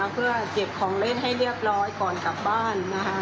เพื่อเก็บของเล่นให้เรียบร้อยก่อนกลับบ้าน